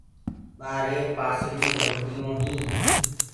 ٻآرهي پانسݪیونٚ لگدیونٚ هيٚنٚ۔